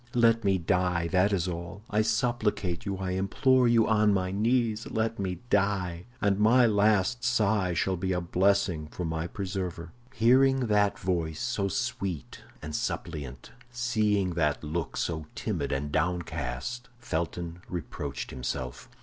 Let me die; that is all. I supplicate you, I implore you on my knees—let me die, and my last sigh shall be a blessing for my preserver." Hearing that voice, so sweet and suppliant, seeing that look, so timid and downcast, Felton reproached himself.